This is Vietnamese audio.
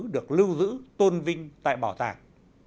được lưu giữ tôn vinh tại bảo tàng